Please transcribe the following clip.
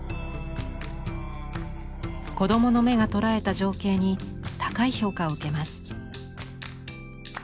子供の目が捉えた情景に高い評価を受けます。